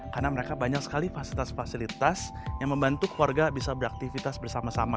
karena mereka banyak sekali fasilitas fasilitas yang membantu keluarga bisa beraktivitas bersama sama